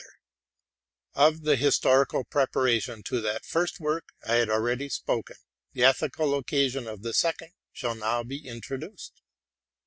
'' Of the historical preparation to that first work I have already spoken: the ethical occasions of the second shall now be introduced.